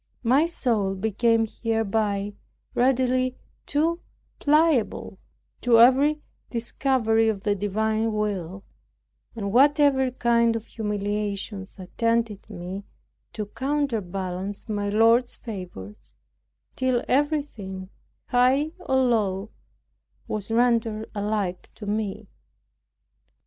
My soul became hereby readily too pliable to every discovery of the divine will, and whatever kind of humiliations attended me to counterbalance my Lord's favors, till everything, high or low, was rendered alike to me.